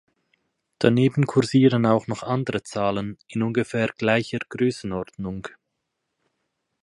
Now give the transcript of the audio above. Daneben kursieren auch andere Zahlen, in ungefähr gleicher Größenordnung.